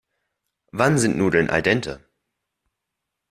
Wann sind Nudeln al dente?